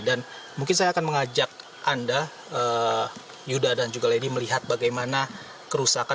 dan mungkin saya akan mengajak anda yuda dan juga lady melihat bagaimana kerusakan